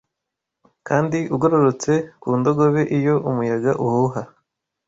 Kandi ugororotse ku ndogobe iyo umuyaga uhuha